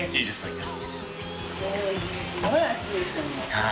はい。